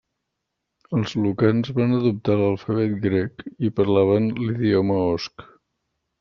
Els lucans van adoptar l'alfabet grec i parlaven l'idioma osc.